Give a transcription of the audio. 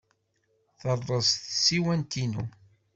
Terreẓ tsiwant-inu.